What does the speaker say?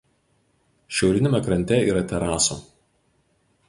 Šiauriniame krante yra terasų.